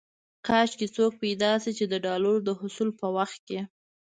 کاش کې څوک پيدا شي چې د ډالرو د حصول په وخت کې.